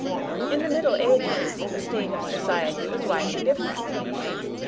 In the middle ages the state of society was widely different.